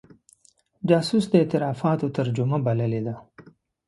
جاسوس د اعترافاتو ترجمه بللې ده.